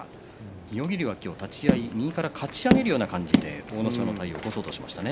妙義龍は今日は立ち合い右からかち上げる感じで阿武咲を起こそうとしましたね。